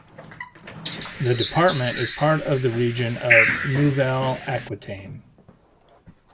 The department is part of the region of Nouvelle-Aquitaine.